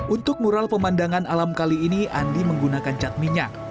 untuk mural pemandangan alam kali ini andi menggunakan cat minyak